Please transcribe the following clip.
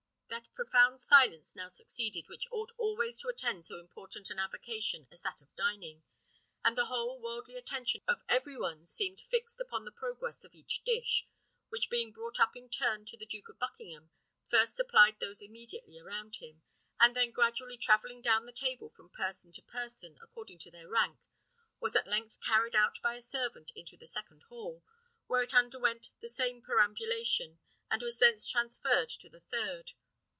That profound silence now succeeded which ought always to attend so important an avocation as that of dining, and the whole worldly attention of every one seemed fixed upon the progress of each dish, which being brought up in turn to the Duke of Buckingham, first supplied those immediately around him, and then gradually travelling down the table from person to person, according to their rank, was at length carried out by a servant into the second hall, where it underwent the same perambulation, and was thence transferred to the third.